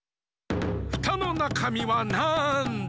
フタのなかみはなんだ？